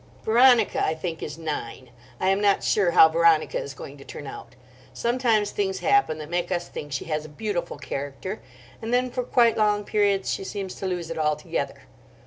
Veronica, I think, is nine. I am not sure how Veronica is going to turn out. Sometimes things happen that make us think she has a beautiful character, and then for quite long periods she seems to lose it altogether.